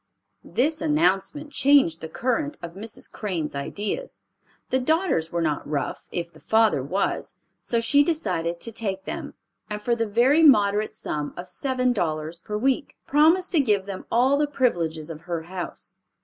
This announcement changed the current of Mrs. Crane's ideas. The daughters were not rough, if the father was, so she decided to take them, and for the very moderate sum of seven dollars per week, promised to give them all the privileges of her house.